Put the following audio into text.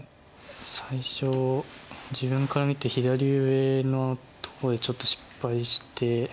最初自分から見て左上のとこでちょっと失敗して。